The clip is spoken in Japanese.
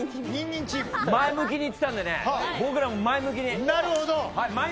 前向きにいってたので僕らも前向きに。